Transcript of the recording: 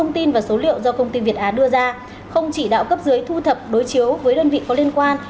tin và số liệu do công ty việt á đưa ra không chỉ đạo cấp dưới thu thập đối chiếu với đơn vị có liên quan